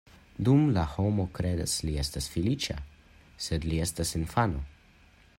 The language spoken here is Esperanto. Dum la homo kredas, li estas feliĉa, sed li estas infano.